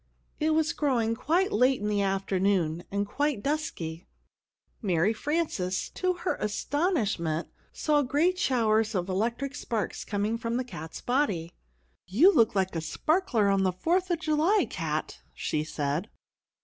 It was growing quite late in the afternoon, and quite dusky. Mary Frances, to her astonishment, saw great showers of electric sparks coming from the cat's body. "You look like a sparkler on the Fourth of July, Cat," she said.